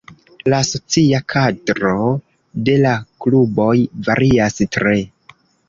La socia kadro de la kluboj varias tre.